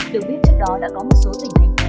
được biết trước đó đã có một số tình hình